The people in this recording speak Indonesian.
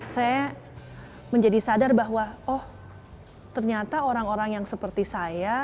saya menjadi sadar bahwa oh ternyata orang orang yang seperti saya